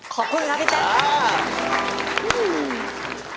ขอบคุณครับพี่เต้น